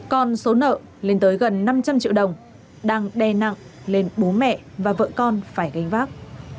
còn số nợ lên tới gần năm trăm linh triệu đồng đang đe nặng lên bố mẹ và vợ con phải gánh vác